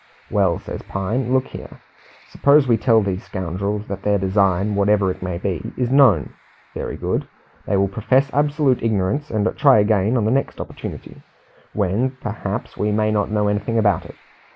"Well," says Pine, "look here. Suppose we tell these scoundrels that their design, whatever it may be, is known. Very good. They will profess absolute ignorance, and try again on the next opportunity, when, perhaps, we may not know anything about it.